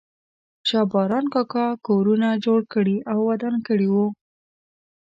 شا باران کاکا کورونه جوړ کړي او ودان کړي وو.